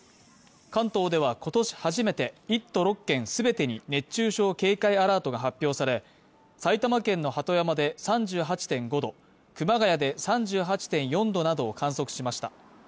関東では今年初めて１都６県全てに熱中症警戒アラートが発表され、埼玉県の鳩山で３８．５度、熊谷で３８．４度などを観測しました。